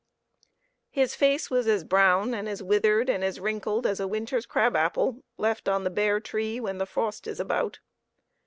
His face was as brown, and as withered, and as wrinkled as a winter's crab apple left on the bare tree when the frost is about.